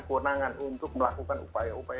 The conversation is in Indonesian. kewenangan untuk melakukan upaya upaya